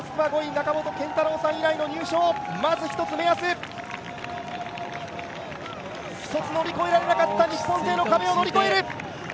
中本健太郎さん以来の入賞まず一つ、目安一つ乗り越えられなかった日本勢の壁を乗り越える！